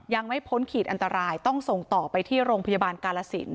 ยังไม่พ้นขีดอันตรายต้องส่งต่อไปที่โรงพยาบาลกาลสิน